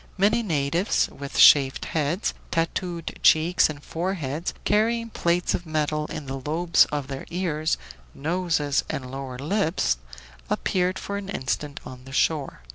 Many natives, with shaved heads, tattooed cheeks and foreheads, carrying plates of metal in the lobes of their ears, noses, and lower lips, appeared for an instant on the shore.